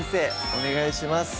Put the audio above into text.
お願いします